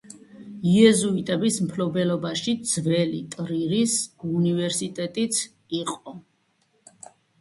იეზუიტების მფლობელობაში ძველი ტრირის უნივერსიტეტიც იყო.